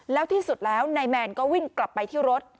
แล้วที่สุดแล้วนายแมนก็วิ่งกลับไปที่รถ